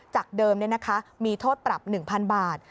จากเดิมมีโทษปรับ๑๐๐๐บาท